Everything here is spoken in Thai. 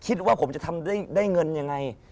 คิดว่าผมจะทำได้เงินยังไง